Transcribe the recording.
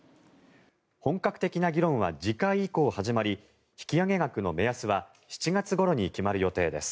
本格的な議論は次回以降始まり引き上げ額の目安は７月ごろに決まる予定です。